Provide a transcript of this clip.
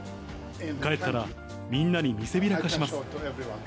帰ったらみんなに見せびらかします。